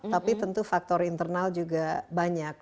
tapi tentu faktor internal juga banyak